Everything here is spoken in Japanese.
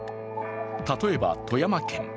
例えば、富山県。